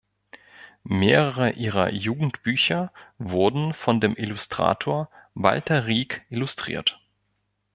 Mehrere ihrer Jugendbücher wurden von dem Illustrator Walter Rieck illustriert.